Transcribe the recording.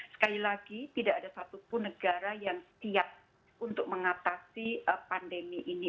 sekali lagi tidak ada satupun negara yang siap untuk mengatasi pandemi ini